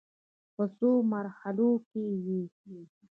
په څو مرحلو کې وې.